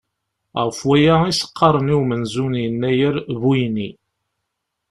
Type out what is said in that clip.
Ɣef waya i as-qqaren i umenzu n yennayer Buyni.